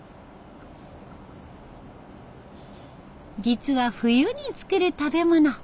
実は冬に作る食べ物。